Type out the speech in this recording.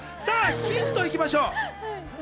ヒント行きましょう。